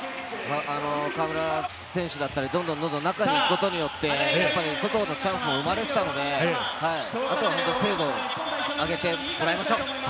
河村選手だったり、どんどん中に行くことによって外のチャンスも生まれていたので、あとは精度を上げてもらいましょう。